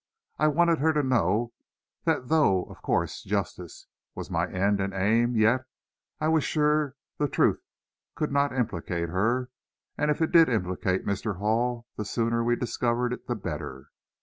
I wanted her to know, that though of course justice was my end and aim, yet I was sure the truth could not implicate her, and if it did implicate Mr. Hall, the sooner we discovered it the better.